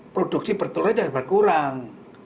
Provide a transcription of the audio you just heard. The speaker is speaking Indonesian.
produksi petelurnya juga berkurang